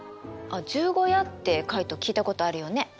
あっ十五夜ってカイト聞いたことあるよね？